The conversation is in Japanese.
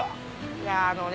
いやあのね